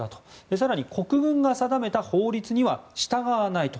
更に国軍が定めた法律には従わないと。